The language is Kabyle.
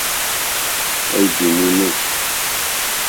Aydi-nni nnek.